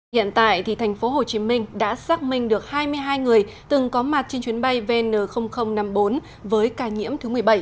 hiện tại thành phố hồ chí minh đã xác minh được hai mươi hai người từng có mặt trên chuyến bay vn năm mươi bốn với ca nhiễm thứ một mươi bảy